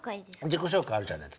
自己紹介あるじゃない。